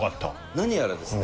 何やらですね